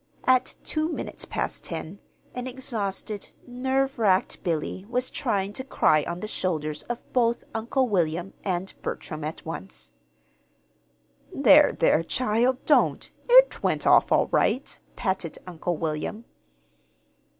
At two minutes past ten, an exhausted, nerve racked Billy was trying to cry on the shoulders of both Uncle William and Bertram at once. "There, there, child, don't! It went off all right," patted Uncle William.